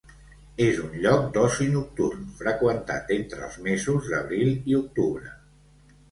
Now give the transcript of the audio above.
És un lloc d'oci nocturn freqüentat entre els mesos d'abril i octubre.